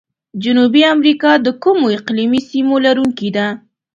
جنوبي امریکا د کومو اقلیمي سیمو لرونکي ده؟